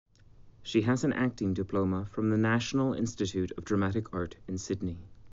She has an acting diploma from the National Institute of Dramatic Art in Sydney.